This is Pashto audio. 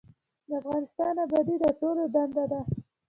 د افغانستان ابادي د ټولو دنده ده